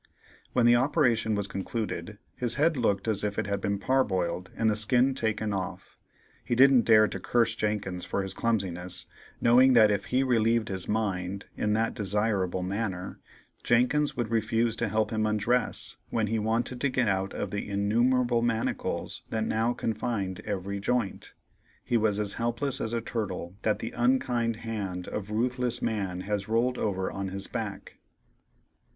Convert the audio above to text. When the operation was concluded, his head looked as if it had been parboiled and the skin taken off. He didn't dare to curse Jenkins for his clumsiness, knowing that if he relieved his mind in that desirable manner, Jenkins would refuse to help him undress when he wanted to get out of the innumerable manacles that now confined every joint. He was as helpless as a turtle that the unkind hand of ruthless man has rolled over on his back.